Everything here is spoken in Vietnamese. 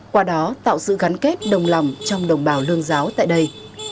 qua đó tạo sự gắn kết đồng lòng trong đồng bào lương giáo tại đây